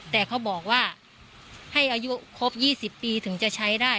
แต่เขาบอกว่าให้อายุครบ๒๐ปีถึงจะใช้ได้